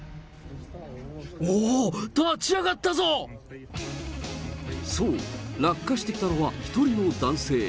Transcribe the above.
おおっ、そう、落下してきたのは、１人の男性。